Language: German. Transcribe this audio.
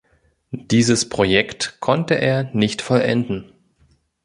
Dieses Projekt konnte er nicht vollenden.